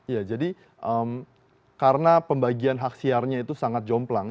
ya jadi karena pembagian hak siarnya itu sangat jomplang